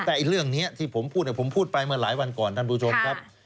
แต่เรื่องนี้ที่ผมพูดผมพูดไปเมื่อหลายวันก่อนท่านผู้ชมครับ